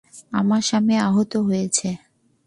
আমার স্বামী আহত হয়েছে।